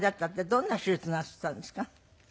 どんな手術なすったんですか？